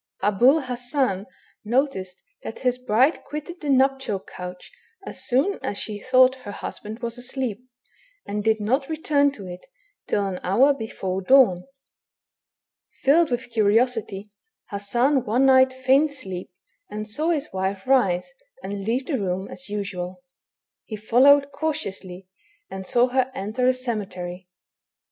Ahul Hassan noticed that his hride quitted the nuptial couch as soon as she thought her hushand was asleep, and did not return to it, till an hour hefore dawn. Filled with curiosity, Hassan one night feigned sleep, and saw his wife rise and leave the room as usual. He followed cautiously, and saw her enter a cemetery.